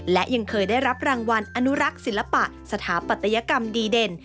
และยังเคยได้รับรางวัลอนุรักษ์ศิลปะสถาปัตยกรรมดีเด่น